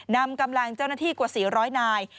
นำกำลังเจ้าหน้าที่กว่า๔๐๐นาย